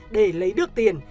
để lấy được tiền